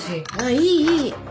いいいい。